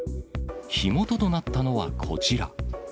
火元となったのはこちら。